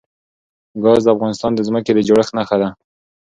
ګاز د افغانستان د ځمکې د جوړښت نښه ده.